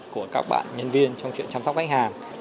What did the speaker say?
của các bạn nhân viên trong chuyện chăm sóc khách hàng